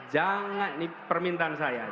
jangan ini permintaan saya